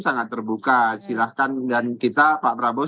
sangat terbuka silahkan dan kita pak prabowo